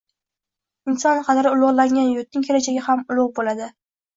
Inson qadri ulug‘langan yurtning kelajagi ham ulug‘ bo‘lading